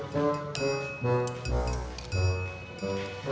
gak salah nih